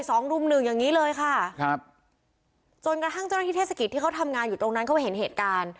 กลุ่มรุ่มหนึ่งอย่างงี้เลยค่ะครับจนกระทั่งเจ้าหน้าที่เทศกิจที่เขาทำงานอยู่ตรงนั้นเขาเห็นเหตุการณ์